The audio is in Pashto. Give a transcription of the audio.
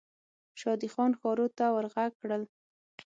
شادي خان ښارو ته ور ږغ کړل.